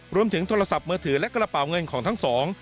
โทรศัพท์มือถือและกระเป๋าเงินของทั้งสอง